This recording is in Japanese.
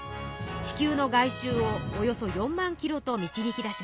地球の外周をおよそ４万ｋｍと導き出しました。